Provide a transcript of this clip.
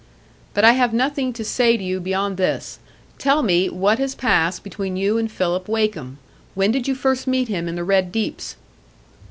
"But I have nothing to say to you beyond this: tell me what has passed between you and Philip Wakem. When did you first meet him in the Red Deeps?"